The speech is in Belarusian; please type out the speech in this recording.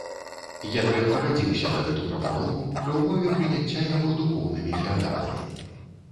Генрых пагадзіўся на гэту прапанову, пры ўмове прыняцця яго духоўнымі феадаламі.